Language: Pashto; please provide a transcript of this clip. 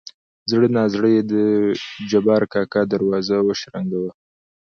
زړه نازړه يې د جبار کاکا دروازه وشرنګه وه.